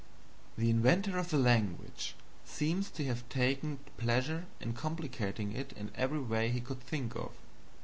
The inventor of the language seems to have taken pleasure in complicating it in every way he could think of.